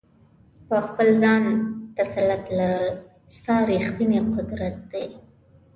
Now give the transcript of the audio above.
په خپل ځان تسلط لرل، ستا ریښتنی قدرت دی.